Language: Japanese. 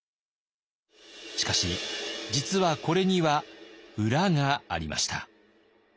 しかし実はこれには裏がありました。